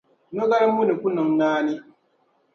Nogal’ muni ku niŋ naani.